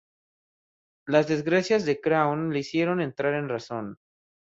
Las desgracias de Craon le hicieron entrar en razón.